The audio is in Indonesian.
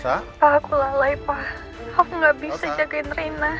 pak aku lalai pak aku gak bisa jagain rina